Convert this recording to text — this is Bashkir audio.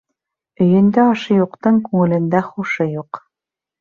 Өйөндә ашы юҡтың күңелендә хушы юҡ.